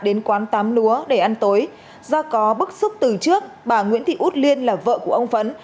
đến quán tám lúa để ăn tối do có bức xúc từ trước bà nguyễn thị út liên là vợ của ông phấn